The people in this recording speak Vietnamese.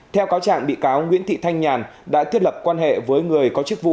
theo cáo trạng bị cáo nguyễn thị thanh nhàn đã thiết lập quan hệ với người có chức vụ